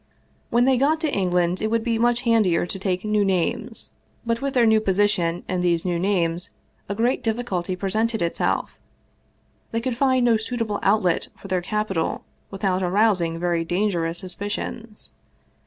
When they got to England, it would be much handier to take new names. But with their new position and these new names a great difficulty presented itself: they could find no suitable outlet for their capital without arousing very dangerous suspicions.